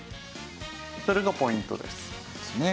それがポイントです。